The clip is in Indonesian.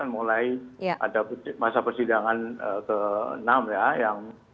mulai ada masa persidangan ke enam ya